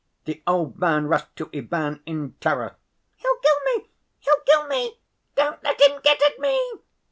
The old man rushed to Ivan in terror. "He'll kill me! He'll kill me! Don't let him get at me!"